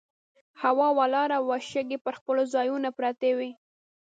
هوا ولاړه وه، شګې پر خپلو ځایونو پرتې وې.